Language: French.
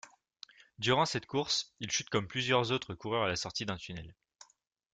Durant cette course, il chute comme plusieurs autres coureurs à la sortie d'un tunnel.